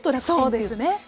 そうですね。